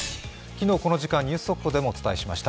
昨日、この時間ニュース速報でもお伝えしました。